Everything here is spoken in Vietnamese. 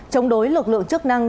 chống đối lực lượng chức năng